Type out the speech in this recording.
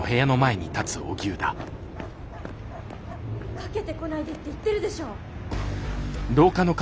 かけてこないでって言ってるでしょ！